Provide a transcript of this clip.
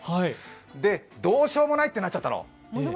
で、どうしようもないってなっちゃったの。